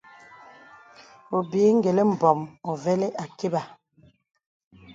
Obìì gə̀lì mbɔ̄m uvəlì àkibà.